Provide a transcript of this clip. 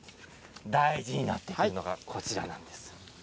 大事になってくるのがこちらです。